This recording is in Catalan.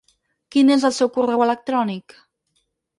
Quin és el seu correu electrònic?